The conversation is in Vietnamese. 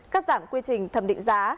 cắt giảm quy trình thẩm định giá